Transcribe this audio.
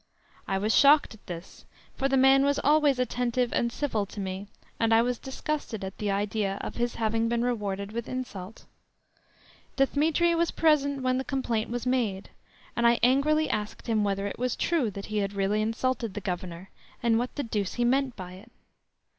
I was shocked at this, for the man was always attentive and civil to me, and I was disgusted at the idea of his having been rewarded with insult. Dthemetri was present when the complaint was made, and I angrily asked him whether it was true that he had really insulted the Governor, and what the deuce he meant by it.